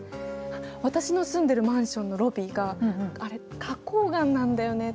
私の住んでるマンションのロビーがあれ花こう岩なんだよね多分。